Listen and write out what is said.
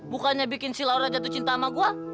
bukannya bikin si laura jatuh cinta sama gua